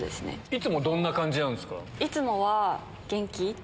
いつもどんな感じなんですか？